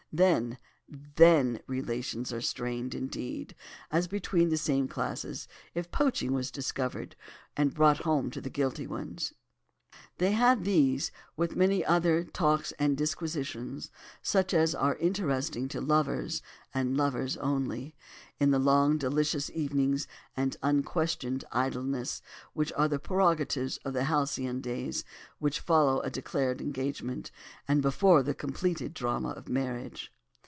then—then—relations are strained, indeed, as between the same classes, if poaching was discovered, and brought home to the guilty ones." They had these, with many other, talks and disquisitions, such as are interesting to lovers, and lovers only, in the long delicious evenings and unquestioned idlesse which are the prerogatives of the halcyon days which follow a declared engagement, and before the completed drama of marriage.